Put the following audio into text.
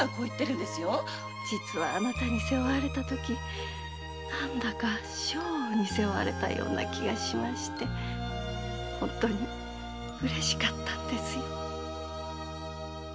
実はあなたに背負われた時何だか将翁のような気がして本当にうれしかったんですよ。